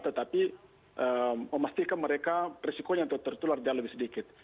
tetapi memastikan mereka risikonya untuk tertular jauh lebih sedikit